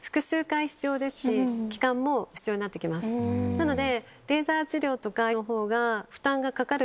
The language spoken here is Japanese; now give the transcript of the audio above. なので。